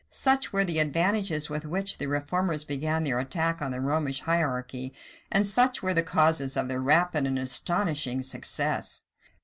Such were the advantages with which the reformers began their attack on the Romish hierarchy; and such were the causes of their rapid and astonishing success.